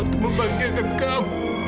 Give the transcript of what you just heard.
untuk membagiakan kamu